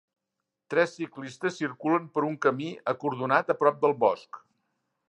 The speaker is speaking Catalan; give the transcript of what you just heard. Tres ciclistes circulen per un camí acordonat a prop del bosc.